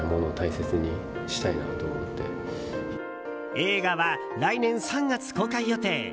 映画は来年３月公開予定。